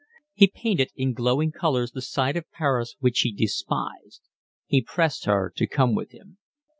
He painted in glowing colours the side of Paris which he despised. He pressed her to come with him.